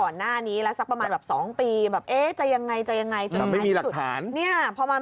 ก่อนหน้านี้แล้วสักประมาณ๒ปีจะอย่างไรจะอย่างไร